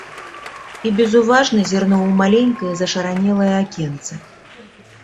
І безуважна зірнуў у маленькае зашаранелае акенца.